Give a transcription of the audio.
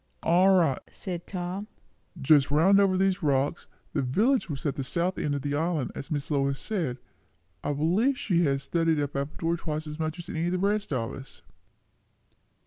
"All right," said Tom. "Just round over these rocks. The village was at the south end of the island, as Miss Lois said. I believe she has studied up Appledore twice as much as any of the rest of us."